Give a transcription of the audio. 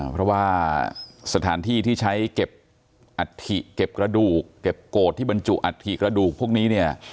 เพราะว่าสถานที่ที่ใช้เก็บอัฐิเก็บกระดูกเก็บโกรธที่บรรจุอัฐิกระดูกพวกนี้เนี่ย